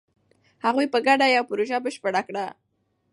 هغوی په ګډه یوه پروژه بشپړه کړه.